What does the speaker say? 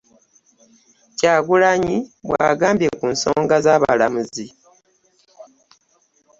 Kyagulanyi bw'agambye ku nsonga z'abalamuzi.